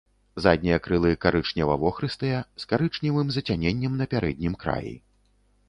Заднія крылы карычнева-вохрыстыя, з карычневым зацяненнем на пярэднім краі.